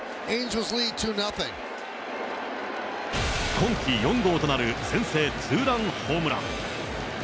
今季４号となる先制ツーランホームラン。